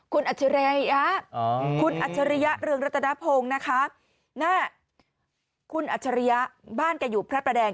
คุณอัชริยะคุณอัชริยะเรืองรัตนาโพงนะคะคุณอัชริยะบ้านแกอยู่พระแดง